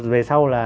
về sau là